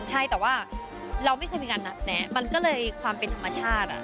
ใช่แต่ว่าเราไม่เคยมีการนัดแนะมันก็เลยความเป็นธรรมชาติ